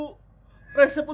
recep untuk masa kambing